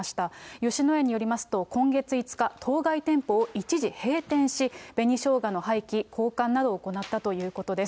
吉野家によりますと、今月５日、当該店舗を一時閉店し、紅ショウガの廃棄、交換などを行ったということです。